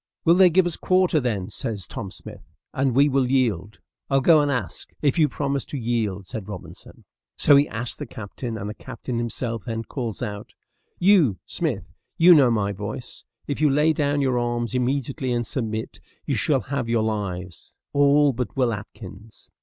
"Will they give us quarter, then?" says Tom Smith, "and we will yield." "I'll go and ask, if you promise to yield," said Robinson: so he asked the captain, and the captain himself then calls out, "You, Smith, you know my voice; if you lay down your arms immediately and submit, you shall have your lives, all but Will Atkins."